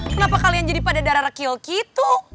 kenapa kalian jadi pada darah rekiel gitu